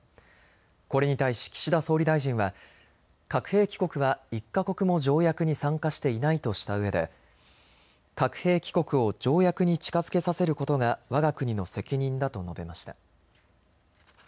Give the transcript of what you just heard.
これに対し岸田総理大臣は核兵器国は１か国も条約に参加していないとしたうえで核兵器国を条約に近づけさせることがわが国の責任だと述べました。